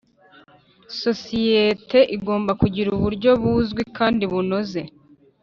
Sosiyete igomba kugira uburyo buzwi kandi bunoze.